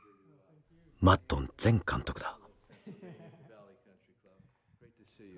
マッドン前監督だ。